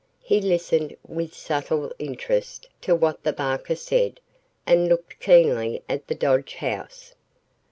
He listened with subtle interest to what the barker said and looked keenly at the Dodge house.